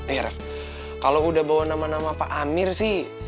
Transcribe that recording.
eh raff kalau udah bawa nama nama pak amir sih